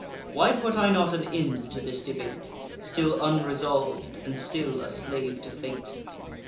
Why put I not an end to this debate, Still unresolv'd, and still a slave to fate?